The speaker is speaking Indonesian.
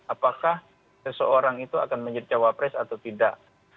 apakah seseorang itu akan menjadi cawapres atau tidak